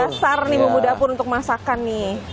pasar nih bumbu dapur untuk masakan nih